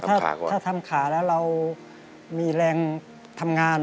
ถ้าทำขาแล้วเรามีแรงทำงาน